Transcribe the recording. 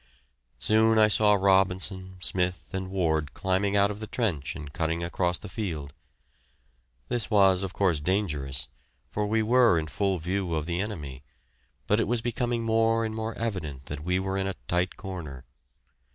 Soon I saw Robinson, Smith, and Ward climbing out of the trench and cutting across the field. This was, of course, dangerous, for we were in full view of the enemy, but it was becoming more and more evident that we were in a tight corner.